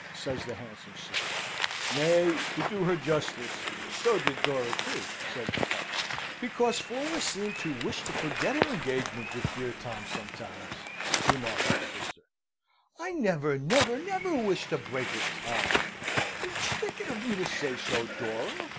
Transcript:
says the handsome sister. "Nay, to do her justice, so did Dora too," said papa. "Because Flora seemed to wish to forget her engagement with dear Tom sometimes," remarks the sister. "I never, never, never wished to break with Tom! It's wicked of you to say so, Dora!